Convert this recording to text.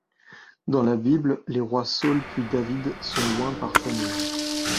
Dans la Bible, les rois Saül puis David sont oints par Samuel.